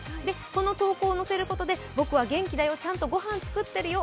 この投稿を載せることで僕は元気だよ、ちゃんとご飯作ってるよ